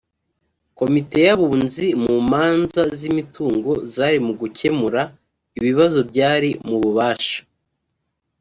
komite y abunzi mu manza z imitungo zari mu gucyemura ibibazo byari mu bubasha